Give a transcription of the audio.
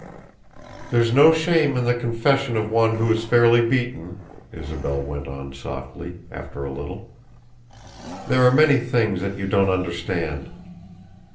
"There's no shame in the confession of one who is fairly beaten," Isabel went on softly, after a little. "There are many things that you don't understand.